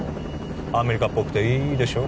アメリカっぽくていいでしょ？